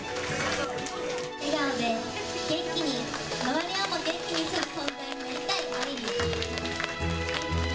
笑顔で元気に、周りをも元気にする存在になりたい愛梨。